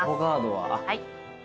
はい。